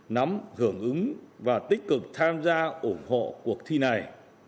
nắm hưởng ứng và tích cực tham gia ủng hộ cuộc thi này